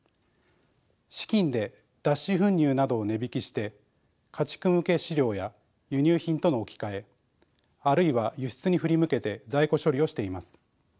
資金で脱脂粉乳などを値引きして家畜向け飼料や輸入品との置き換えあるいは輸出に振り向けて在庫処理をしています。